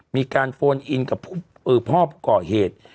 มีการโฟนอินกับผอบกล่อเหตุ